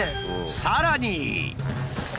さらに。